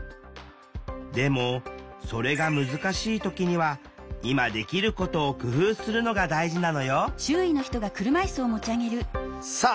でもそれが難しい時には今できることを工夫するのが大事なのよさあ